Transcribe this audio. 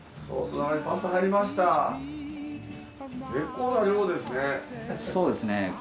そうですね。